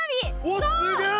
おおすげえ！